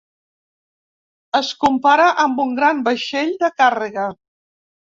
Es compara amb un gran vaixell de càrrega.